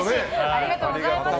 ありがとうございます。